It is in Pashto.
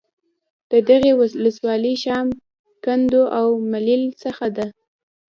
د دغې ولسوالۍ شام ، کندو او ملیل څخه د